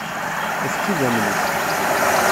Efk-idammen-ik.